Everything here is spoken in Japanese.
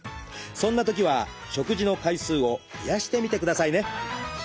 そんなときは食事の回数を増やしてみてくださいね。